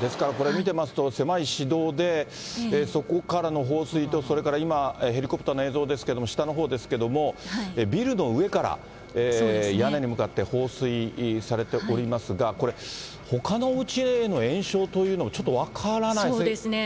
ですから、これ、見てますと、狭い市道で、そこからの放水と、それから今、ヘリコプターの映像ですけども、下のほうですけれども、ビルの上から、屋根に向かって放水されておりますが、これ、ほかのおうちへの延焼というのもそうですね。